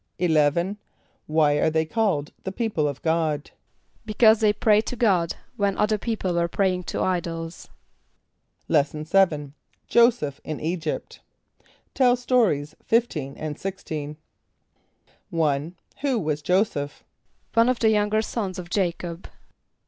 = =11.= Why are they called "the people of God"? =Because they prayed to God, when other people were praying to idols.= Lesson VII. Joseph in Egypt. (Tell Stories 15 and 16.) =1.= Who was J[=o]´[s+]eph? =One of the younger sous of J[=a]´cob.